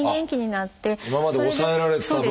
今まで抑えられてた分。